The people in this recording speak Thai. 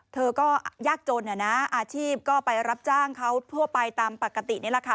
เธอก็ยากจนนะอาชีพก็ไปรับจ้างเขาทั่วไปตามปกตินี่แหละค่ะ